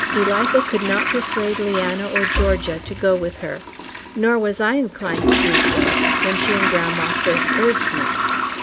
Elitha could not persuade Leanna or Georgia to go with her, nor was I inclined to do so when she and grandma first urged me.